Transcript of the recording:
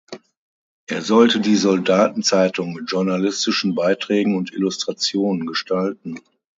Er sollte die Soldatenzeitung mit journalistischen Beiträgen und Illustrationen gestalten.